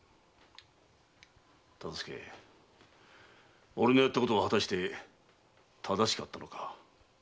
忠相俺のやったことは果たして正しかったのか。